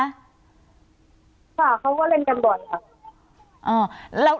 ค่ะเขาก็เล่นกันบ่อยค่ะ